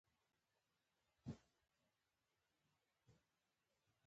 جرګمارو فيصله وکړه چې، شفيق مکلف دى.